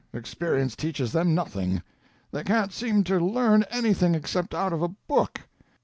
Experience teaches them nothing; they can't seem to learn anything except out of a book.